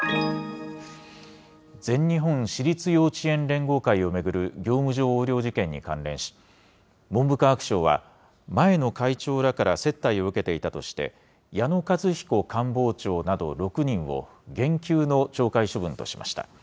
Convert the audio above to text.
全日本私立幼稚園連合会を巡る業務上横領事件に関連し、文部科学省は、前の会長らから接待を受けていたとして、矢野和彦官房長など６人を、減給の懲戒処分としました。